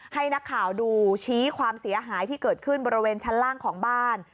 ให้นักข่าวดูชี้ความเสียหายที่เกิดขึ้นบริเวณชั้นล่างของบ้าน